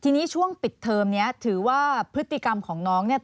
ทีนี้ช่วงปิดเทอมนี้ถือว่าพฤติกรรมของน้องเนี่ย